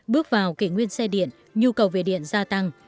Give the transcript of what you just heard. bước vào kể nguyên xe điện nhu cầu về điện gia tăng